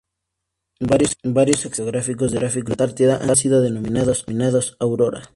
Varios accidentes geográficos de la Antártida han sido denominados "Aurora".